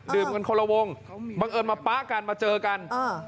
ดื่มคนละวงบังเอิญมาป๊ากันมาเจอกัน